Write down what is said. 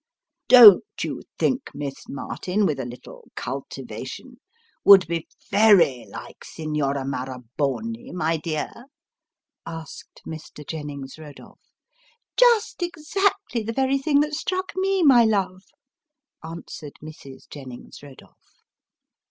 " Don't you think Miss Martin, with a little cultivation, would bo very like Signora Marra Boni, my dear?" asked Mr. Jennings Eodolph. " Just exactly the very thing that strack me, my love," answered Mrs. Jennings Eodolph.